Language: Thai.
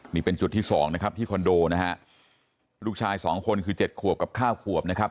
นี่เป็นจุดที่สองนะครับที่คอนโดนะฮะลูกชายสองคนคือเจ็ดขวบกับข้าวขวบนะครับ